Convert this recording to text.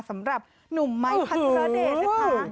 สำหรับหนุ่มไมค์พันธุระเดชค่ะ